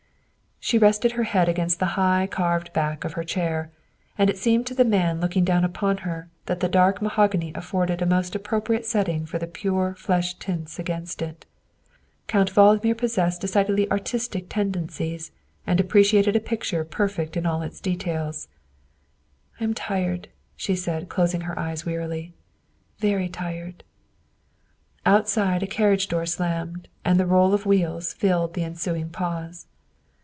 '' She rested her head against the high, carved back of her chair, and it seemed to the man looking down upon her that the dark mahogany afforded a most appropriate setting for the pure flesh tints against it. Count Vald mir possessed decided artistic tendencies and appreciated a picture perfect in all its details. " I am tired," she said, closing her eyes wearily, " very tired." Outside a carriage door slammed and the roll of wheels filled the ensuing pause.